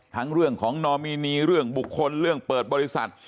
เรื่องของนอมินีเรื่องบุคคลเรื่องเปิดบริษัท